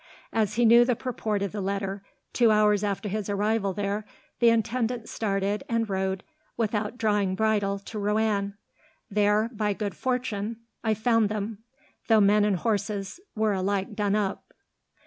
As he knew the purport of the letter, two hours after his arrival there the intendant started, and rode, without drawing bridle, to Roanne. There, by great good fortune, I found them, though men and horses were alike done up.